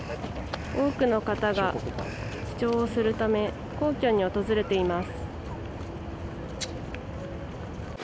多くの方が記帳をするため皇居に訪れています。